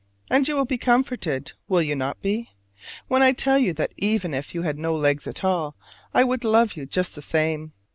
And you will be comforted, will you not be? when I tell you that even if you had no legs at all, I would love you just the same.